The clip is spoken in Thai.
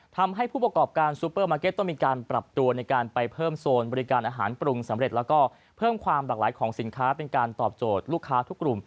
ทำให้ผู้ประกอบการซูเปอร์มาร์เก็ตต้องมีการปรับตัวในการไปเพิ่มโซนบริการอาหารปรุงสำเร็จแล้วก็เพิ่มความหลากหลายของสินค้าเป็นการตอบโจทย์ลูกค้าทุกกลุ่ม